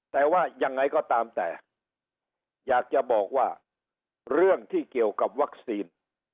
แต่ว่ายังไงก็ตามแต่อยากจะบอกว่าเรื่องที่เกี่ยวกับวัคซีน